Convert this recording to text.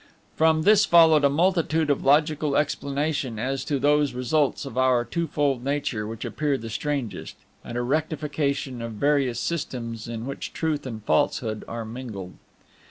From this followed a multitude of logical explanation as to those results of our twofold nature which appear the strangest, and a rectification of various systems in which truth and falsehood are mingled.